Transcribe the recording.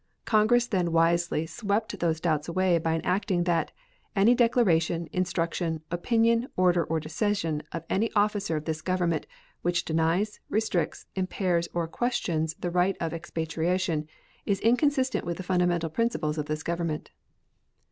Congress then wisely swept these doubts away by enacting that Any declaration, instruction, opinion, order, or decision of any officer of this Government which denies, restricts, impairs, or questions the right of expatriation is inconsistent with the fundamental principles of this Government.